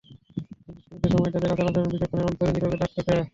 কিন্তু এ সীমিত সময়ে তাদের আচার-আচরণ, বিচক্ষণদের অন্তরে নীরবে দাগ কাটে।